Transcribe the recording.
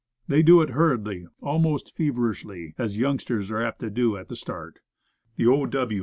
They do it hurriedly, almost feverishly, as youngsters are apt to do at the start. The O. W.